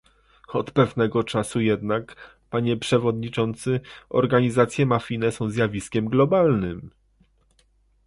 Od pewnego czasu jednak, panie przewodniczący, organizacje mafijne są zjawiskiem globalnym